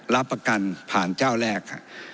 รับประกันผ่านเจ้าแรก